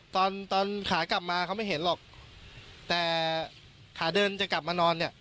ตอนตอนขากลับมาเขาไม่เห็นหรอกแต่ขาเดินจะกลับมานอนเนี่ย